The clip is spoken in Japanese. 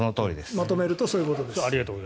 まとめるとそういうことです。